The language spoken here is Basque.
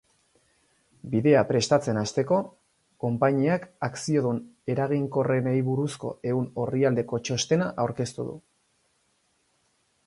Bidea prestatzen hasteko, konpainiak akziodun eraginkorrenei buruzko ehun orrialdeko txostena aurkeztu du.